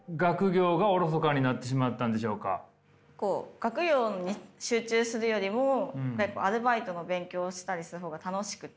学業に集中するよりもアルバイトの勉強したりするほうが楽しくて。